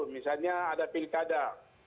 misalnya ada pilkada